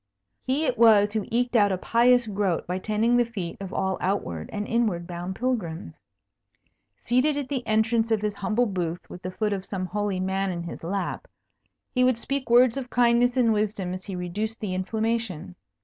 He it was who eked out a pious groat by tending the feet of all outward and inward bound pilgrims. Seated at the entrance of his humble booth, with the foot of some holy man in his lap, he would speak words of kindness and wisdom as he reduced the inflammation.